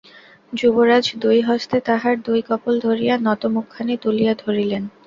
যুবরাজ দুই হস্তে তাহার দুই কপোল ধরিয়া নত মুখখানি তুলিয়া ধরিলেন।